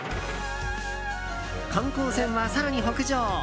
観光船は、更に北上。